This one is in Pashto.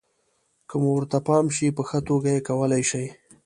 که مو ورته پام شي، په ښه توګه یې کولای شئ.